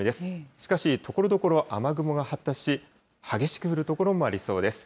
しかし、ところどころ雨雲が発達し、激しく降る所もありそうです。